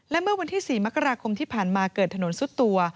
และเมื่อวันที่๔มกราคมที่ผ่านมาเกิดถนนซุดตัว